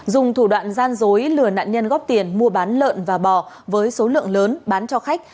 dùng thủ đoạn gian dối lừa nạn nhân góp tiền mua bán lợn và bò với số lượng lớn bán cho khách